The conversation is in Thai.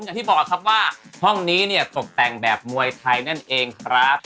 อย่างที่บอกครับว่าห้องนี้เนี่ยตกแต่งแบบมวยไทยนั่นเองครับ